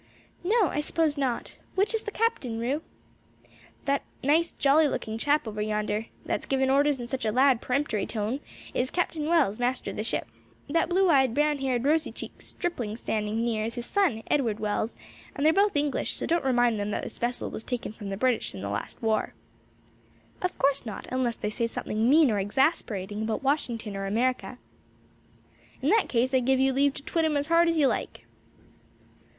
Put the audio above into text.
"No, I suppose not. Which is the captain, Ru.?" "That nice jolly looking chap over yonder, that's giving orders in such a loud peremptory tone, is Captain Wells, master of the ship; that blue eyed, brown haired, rosy cheeked stripling standing near is his son, Edward Wells; and they're both English; so don't remind them that this vessel was taken from the British in the last war." "Of course not, unless they say something mean or exasperating about Washington or America." "In that case I give you leave to twit 'em as hard as you like."